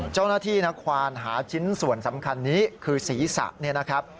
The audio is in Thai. เจ้าหน้าที่นครหาชิ้นส่วนสำคัญนี้คือศรีษะ